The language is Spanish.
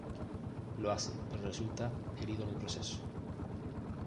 Lo hace, pero resulta herido en el proceso.